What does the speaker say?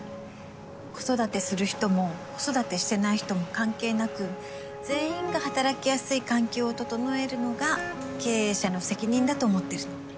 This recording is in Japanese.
子育てする人も子育てしてない人も関係なく全員が働きやすい環境を整えるのが経営者の責任だと思ってる。